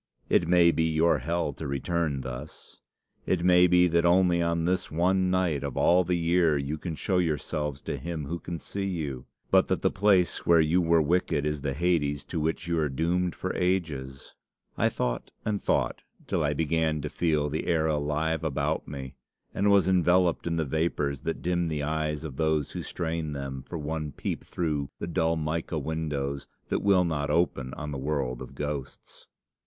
'It may be your hell to return thus. It may be that only on this one night of all the year you can show yourselves to him who can see you, but that the place where you were wicked is the Hades to which you are doomed for ages.' I thought and thought till I began to feel the air alive about me, and was enveloped in the vapours that dim the eyes of those who strain them for one peep through the dull mica windows that will not open on the world of ghosts.